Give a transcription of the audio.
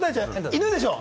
犬でしょ？